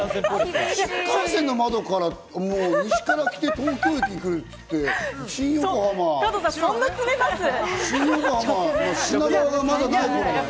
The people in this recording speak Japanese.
新幹線の窓から西から来て東京駅に来るって新横浜、品川。